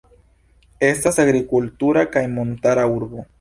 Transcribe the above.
Estas agrikultura kaj montara urbo.